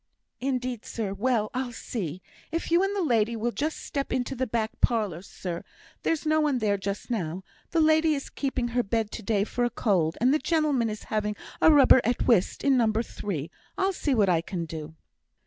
"Indeed, sir well! I'll see, if you and the lady will just step into the back parlour, sir there's no one there just now; the lady is keeping her bed to day for a cold, and the gentleman is having a rubber at whist in number three. I'll see what I can do."